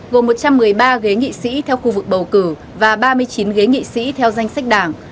gồm một trăm một mươi ba ghế nghị sĩ theo khu vực bầu cử và ba mươi chín ghế nghị sĩ theo danh sách đảng